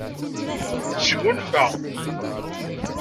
Tesgunfa.